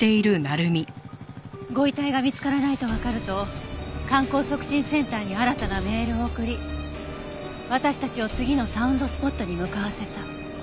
ご遺体が見つからないとわかると観光促進センターに新たなメールを送り私たちを次のサウンドスポットに向かわせた。